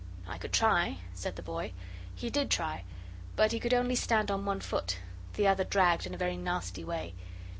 "I could try," said the boy. He did try. But he could only stand on one foot; the other dragged in a very nasty way.